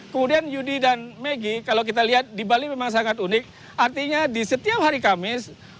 kemudian yudi dan megi kalau kita lihat di bali memang sangat unik artinya di setiap hari kamis